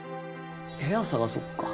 部屋探そっか。